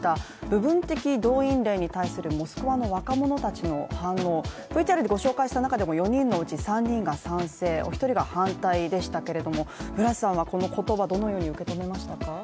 部分的動員令に対するモスクワの若者たちの反応、ＶＴＲでご紹介した中でも４人の内３人が賛成、お一人が反対でしたけれども、ブラスさんはこの言葉、どのように受け止められましたか？